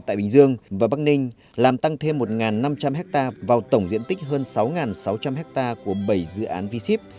tại bình dương và bắc ninh làm tăng thêm một năm trăm linh ha vào tổng diện tích hơn sáu sáu trăm linh ha của bảy dự án v ship